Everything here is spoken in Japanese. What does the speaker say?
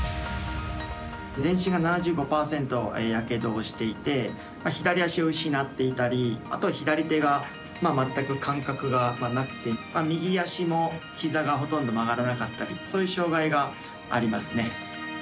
全身が７５％やけどをしていて左足を失っていたりあとは左手が全く感覚がなくて右足も、ひざがほとんど曲がらなかったりそういう障がいがありますね。